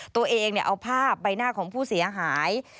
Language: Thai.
ตัวเองเอาภาพใบหน้าของผู้เสียหาย